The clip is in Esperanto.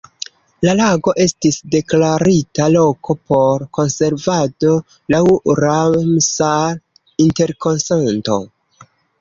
La lago estis deklarita loko por konservado laŭ la Ramsar-Interkonsento.